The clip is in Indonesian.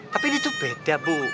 tapi ini tuh beda bu